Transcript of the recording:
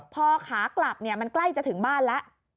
พอขากลับเนี่ยมันใกล้จะถึงบ้านละ